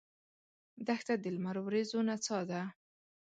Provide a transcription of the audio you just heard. دښته د لمر وریځو نڅا ده.